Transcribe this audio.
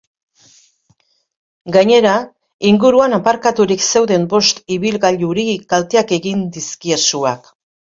Gainera, inguruan aparkaturik zeuden bost ibilgailuri kalteak egin dizkie suak.